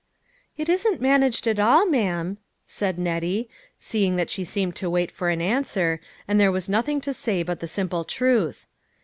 " It isn't managed at all, ma'am," said Nettie, seeing that she seemed to wait for an answer, and there was nothing to say but the simple truth.